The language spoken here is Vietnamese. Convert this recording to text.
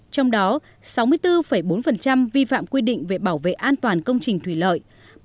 trong đó sáu mươi bốn bốn vi phạm quy định về bảo vệ an toàn công trình thủy lợi